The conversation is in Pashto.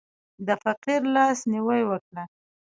د فقیر لاس نیوی وکړه.